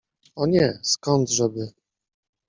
— O nie… skądże by!